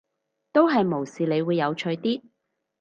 都係無視你會有趣啲